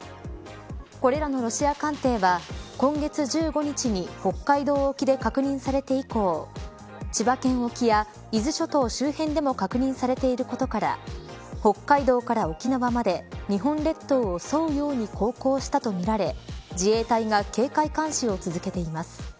これらのロシア艦艇は今月１５日に北海道沖で確認されて以降千葉県沖や伊豆諸島周辺でも確認されていることから北海道から沖縄まで日本列島を沿うように航行したとみられ自衛隊が警戒監視を続けています。